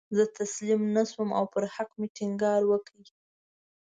زه تسلیم نه شوم او پر حق مې ټینګار وکړ.